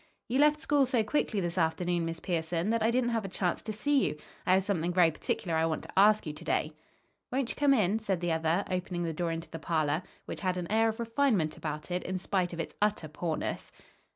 "You left school so quickly this afternoon, Miss Pierson, that I didn't have a chance to see you. I have something very particular I want to ask you to day." "Won't you come in?" said the other, opening the door into the parlor, which had an air of refinement about it in spite of its utter poorness.